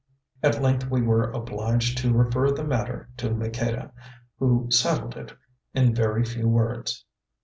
At length we were obliged to refer the matter to Maqueda, who settled it in very few words.